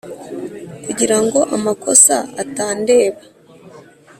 kugirango amakosa atandeba